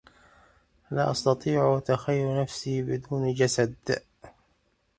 لا أستطيع تخيل نفسي بدون جسد.